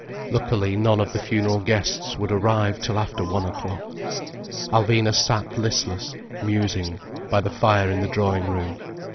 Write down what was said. Luckily none of the funeral guests would arrive till after one o'clock. Alvina sat listless, musing, by the fire in the drawing room.